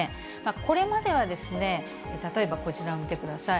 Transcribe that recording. これまでは例えばこちらを見てください。